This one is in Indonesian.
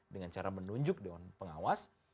dengan cara menunjuk dewan pengawas